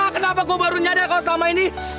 kenapa gue baru nyadar kalau selama ini